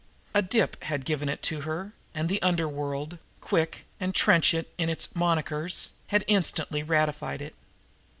A "dip" had given it to her, and the underworld, quick and trenchant in its "monikers," had instantly ratified it.